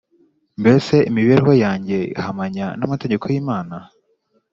mbese imibereho yanjye ihamanya n’amategeko y’imana?